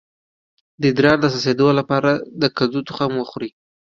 د ادرار د څڅیدو لپاره د کدو تخم وخورئ